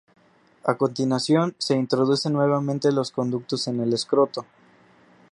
A continuación se introducen nuevamente los conductos en el escroto.